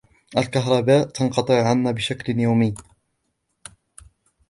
الكهرباء تنقطع عنا بشكلٍ يَومي.